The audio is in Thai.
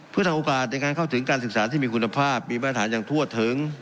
เพื่อทำโอกาสในการเข้าถึงการศึกษาที่มีคุณภาพมีมาตรฐานอย่างทั่วถึง